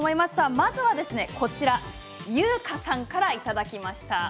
まずは、ゆうかさんからいただきました。